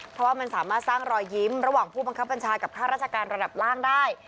เพราะว่ามันสามารถสร้างรอยยิ้มระหว่างผู้บังคับบัญชากับข้าราชการระดับล่างได้